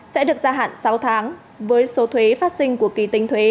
sẽ được gia hạn sáu tháng với số thuế phát sinh của kỳ tính thuế